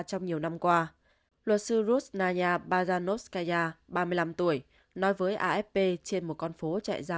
trong nhiều năm qua luật sư rusnanya bazhanovskaya ba mươi năm tuổi nói với afp trên một con phố chạy ra